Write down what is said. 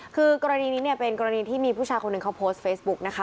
คือกรณีนี้เนี่ยเป็นกรณีที่มีผู้ชายคนหนึ่งเขาโพสต์เฟซบุ๊กนะคะ